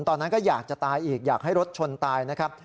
ตอนนั้นก็อยากจะตายอีกอยากให้รถชนตายนะครับ